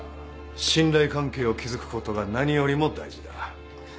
信頼関係を築くことが何よりも大事だ。